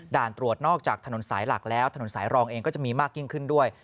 ตรวจนอกจากถนนสายหลักแล้วถนนสายรองเองก็จะมีมากยิ่งขึ้นด้วย